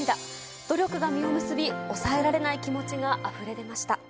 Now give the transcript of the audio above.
努力が実を結び、抑えられない気持ちがあふれ出ました。